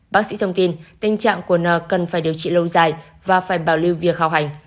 bác sĩ thông tin tình trạng của n cần phải điều trị lâu dài và phải bảo lưu việc hào hành